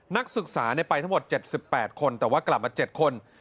นักศึกษาไปเฉพาะ๗๘คนแต่ว่ากลับมา๗คน